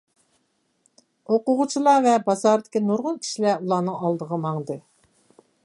ئوقۇغۇچىلار ۋە بازاردىكى نۇرغۇن كىشىلەر ئۇلارنىڭ ئالدىغا ماڭدى.